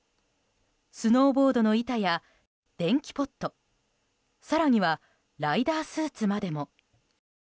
スノーボードの板や電気ポット更にはライダースーツまでも。